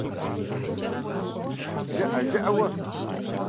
ЖыӀэ, жыӀэ уэ…